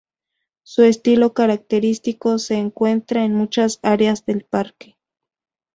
Su estilo característico se encuentra en muchas áreas del parque.